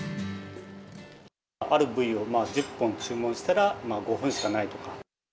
ある部位を１０本注文したら、５本しかないとか。